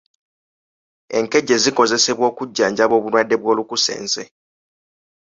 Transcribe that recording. Enkejje zikozesebwa mu kujjanjaba obulwadde bw'olukusense.